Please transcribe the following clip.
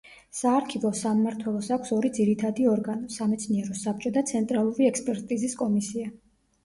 საარქივო სამმართველოს აქვს ორი ძირითადი ორგანო: სამეცნიერო საბჭო და ცენტრალური ექსპერტიზის კომისია.